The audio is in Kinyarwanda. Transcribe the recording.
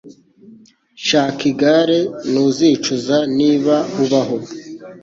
Shaka igare. Ntuzicuza, niba ubaho.